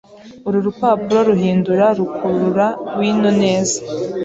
Uru rupapuro ruhindura rukurura wino neza.